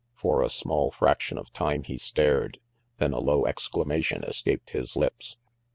For a small fraction of time he stared, then a low exclamation escaped his lips.